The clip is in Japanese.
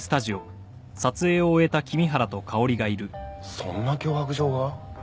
そんな脅迫状が？